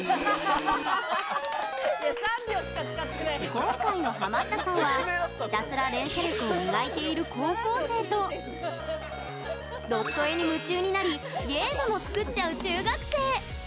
今回のハマったさんはひたすら連射力を磨いている高校生とドット絵に夢中になりゲームも作っちゃう中学生。